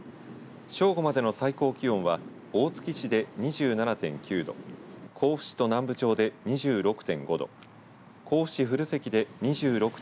正午までの最高気温は大月市で２７．９度甲府市と南部町で２６．５度甲府市古関で２６．４度